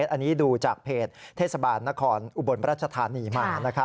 อันนี้ดูจากเพจเทศบาลนครอุบลราชธานีมา